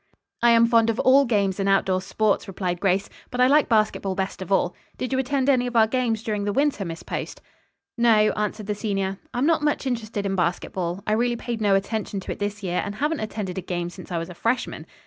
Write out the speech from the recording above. "I am fond of all games and outdoor sports," replied Grace, "but I like basketball best of all. Did you attend any of our games during the winter, Miss Post?" "No," answered the senior. "I am not much interested in basketball. I really paid no attention to it this year, and haven't attended a game since I was a freshman.